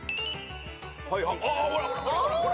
ほらほらほらほら。